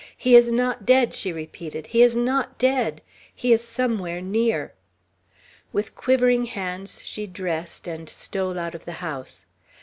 "He is not dead!" she repeated. "He is not dead! He is somewhere near!" With quivering hands she dressed, and stole out of the house.